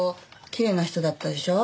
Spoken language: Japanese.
きれいな人だったでしょ？